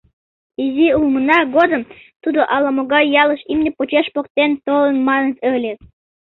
Изи улмына годым тудо ала-могай ялыш имне почеш поктен толын маныт ыле.